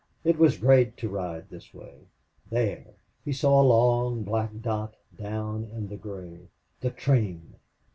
It was great to ride this way!... There! he saw a long, black dot down in the gray. The train!...